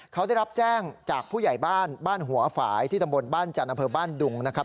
เขาได้รับแจ้งจากผู้ใหญ่บ้านบ้านหัวฝ่ายที่ตำบลบ้านจันทร์อำเภอบ้านดุงนะครับ